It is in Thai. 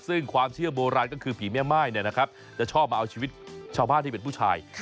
ซึ่งความเชื่อโบราณก็คือผีแม่ม่ายจะชอบมาเอาชีวิตชาวบ้านที่เป็นผู้ชาย